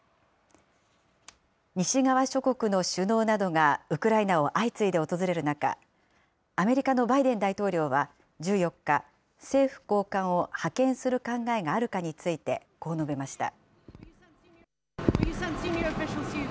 西側諸国の首脳などがウクライナを相次いで訪れる中、アメリカのバイデン大統領は１４日、政府高官を派遣する考えがあるかについて、こう述べました。